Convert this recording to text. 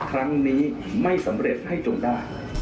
ครั้งนี้ไม่สำเร็จให้จงได้